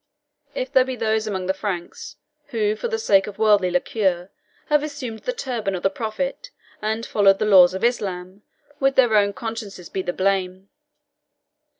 If there be those among the Franks who, for the sake of worldly lucre, have assumed the turban of the Prophet, and followed the laws of Islam, with their own consciences be the blame.